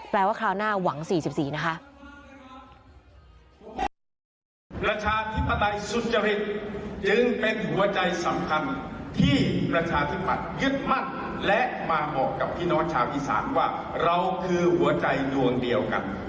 ว่าคราวหน้าหวัง๔๔นะคะ